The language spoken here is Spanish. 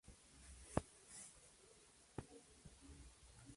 Theba ha actuado periódicamente en el papel de Director Figgins en la serie Glee.